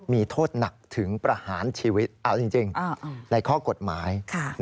มีโทษหนักถึงประหารชีวิตเอาจริงในข้อกฎหมาย